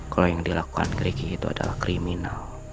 kalau yang dilakukan gricky itu adalah kriminal